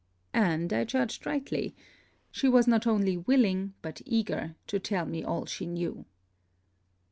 And I judged rightly. She was not only willing, but eager, to tell me all she knew.